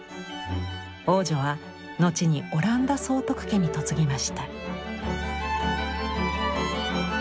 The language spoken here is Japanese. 王女は後にオランダ総督家に嫁ぎました。